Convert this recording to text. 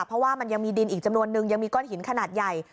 เพราะว่ามันยังมีดินอีกจำนวนนึงยังมีก้อนหินขนาดใหญ่